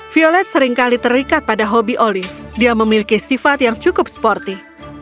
violet seringkali terikat pada hobi oli dia memiliki sifat yang cukup sporty